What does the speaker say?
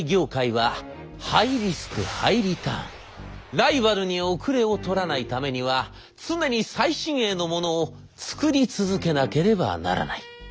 ライバルに後れを取らないためには常に最新鋭のものを作り続けなければならない。